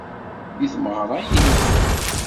Di tmeɣra i lliɣ.